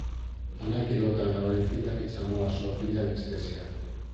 A nai quedou tan agradecida que chamou á súa filla "Anestesia".